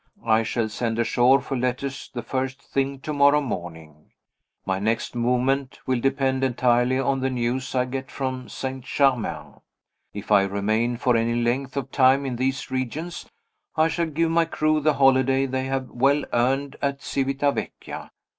I shall send ashore for letters the first thing tomorrow morning. My next movements will depend entirely on the news I get from St. Germain. If I remain for any length of time in these regions, I shall give my crew the holiday they have well earned at Civita Vecchia.